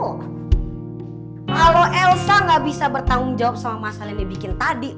kalau elsa gak bisa bertanggung jawab sama masalah yang dibikin tadi